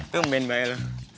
tunggu main marel